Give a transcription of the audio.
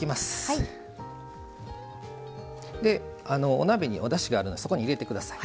お鍋におだしがあるのでそこに入れてください。